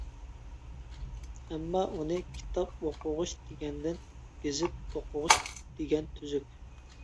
ئەمما ئۇنى كىتاب ئوقۇغۇچ دېگەندىن گېزىت ئوقۇغۇچ دېگەن تۈزۈك.